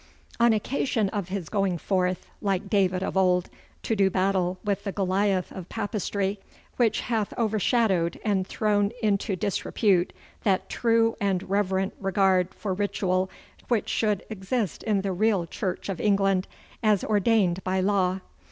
'On occasion of his going forth, like David of old, to do battle with the Goliath of Papistry, which hath overshadowed and thrown into disrepute that true and reverent regard for ritual which should exist in the real Church of England, as ordained by law.